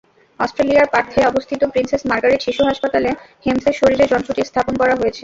অস্ট্রেলিয়ার পার্থে অবস্থিত princess Margaret শিশু হাসপাতালে হেমসের শরীরে যন্ত্রটি স্থাপন করা হয়েছে।